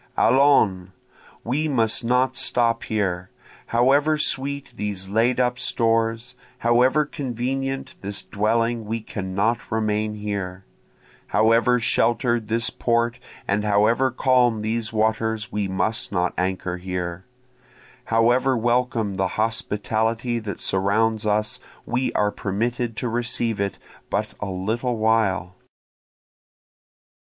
Allons! we must not stop here, However sweet these laid up stores, however convenient this dwelling we cannot remain here, However shelter'd this port and however calm these waters we must not anchor here, However welcome the hospitality that surrounds us we are permitted to receive it but a little while.